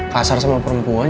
kasar sama perempuan